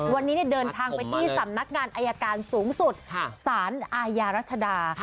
วันนี้เดินทางไปที่สำนักงานอายการสูงสุดสารอาญารัชดาค่ะ